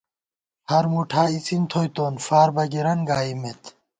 ہر مُٹھا اِڅِن تھوئیتوں ، فار بَگِرَن گائیمېت